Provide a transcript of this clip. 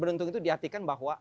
beruntung itu diartikan bahwa